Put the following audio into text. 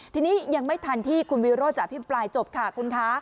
ทีนี้ยังไม่ทันที่คุณวิโรธจะอภิปรายจบค่ะคุณคะ